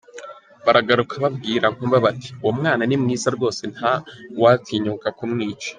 Baragaruka babwira Nkuba bati: “uwo mwana ni mwiza rwose ntawatinyuka kumwica”.